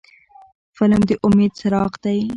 فلم د امید څراغ دی